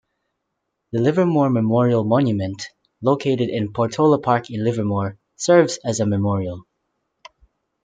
The Livermore Memorial Monument, located in Portola Park in Livermore, serves as a memorial.